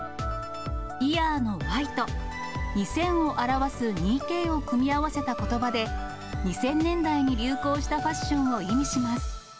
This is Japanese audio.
ＹｅａｒのＹと、２０００を表す２Ｋを組み合わせたことばで、２０００年代に流行したファッションを意味します。